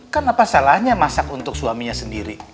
kan apa salahnya masak untuk suaminya sendiri